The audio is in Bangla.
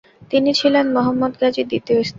তিনি ছিলেন মোহাম্মদ গাজীর দ্বিতীয় স্ত্রী।